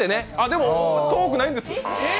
でも遠くないです。